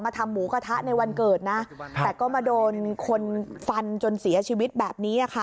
ทำหมูกระทะในวันเกิดนะแต่ก็มาโดนคนฟันจนเสียชีวิตแบบนี้ค่ะ